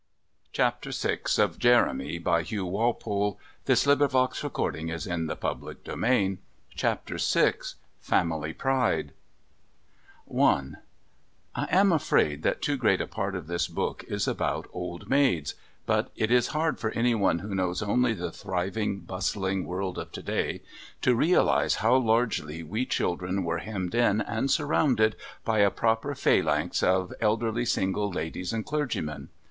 The Captain was gone! He was free! The Captain had not taken him, and he was free at last! CHAPTER VI. FAMILY PRIDE I I am afraid that too great a part of this book is about old maids, but it is hard for anyone who knows only the thriving bustling world of today to realise how largely we children were hemmed in and surrounded by a proper phalanx of elderly single ladies and clergymen.